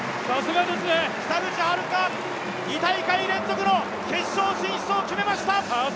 北口榛花、２大会連続の決勝進出を決めました。